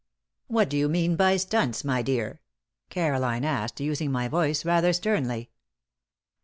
"What do you mean by stunts, my dear?" Caroline asked, using my voice, rather sternly.